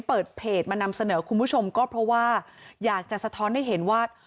เปิดเพจมานำเสนอคุณผู้ชมก็เพราะว่าอยากจะสะท้อนให้เห็นว่า